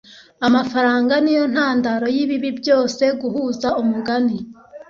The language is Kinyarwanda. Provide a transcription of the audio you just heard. amafaranga niyo ntandaro yibibi byose guhuza umugani